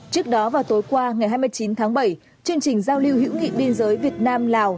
trước đó vào tối qua ngày hai mươi chín tháng bảy chương trình giao lưu hữu nghị biên giới việt nam lào